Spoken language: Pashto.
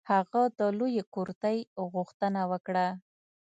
هغه د لویې کرتۍ غوښتنه وکړه.